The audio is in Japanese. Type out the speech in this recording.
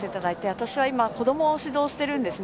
私は、今、子どもを指導してるんですね